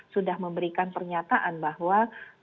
sudah memberikan pernyataan bahwa